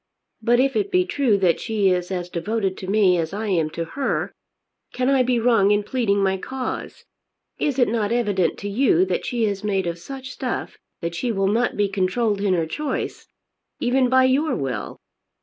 But if it be true that she is as devoted to me as I am to her, can I be wrong in pleading my cause? Is it not evident to you that she is made of such stuff that she will not be controlled in her choice, even by your will?